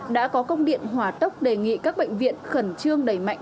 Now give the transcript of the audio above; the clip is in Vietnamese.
đã có công điện hỏa tốc đề nghị các bệnh viện khẩn trương đẩy mạnh